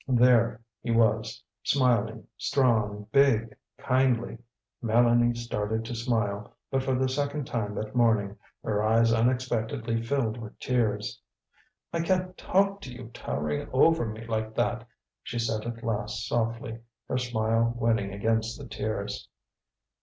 There he was, smiling, strong, big, kindly. Mélanie started to smile, but for the second time that morning her eyes unexpectedly filled with tears. "I can't talk to you towering over me like that," she said at last softly, her smile winning against the tears.